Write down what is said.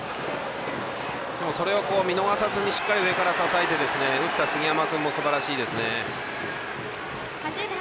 それを見逃さずにしっかり上からたたいて打った杉山君もすばらしいですね。